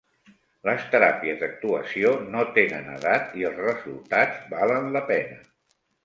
Les teràpies d'actuació no tenen edat i els resultats valen la pena.